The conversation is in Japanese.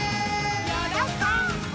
よろこんぶ！